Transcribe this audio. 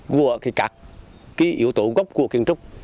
của các cái yếu tố gốc của kiến trúc